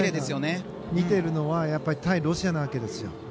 見ているのは対ロシアなわけですよ。